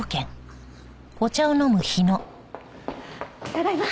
ただいま。